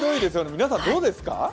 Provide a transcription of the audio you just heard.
皆さん、どうですか？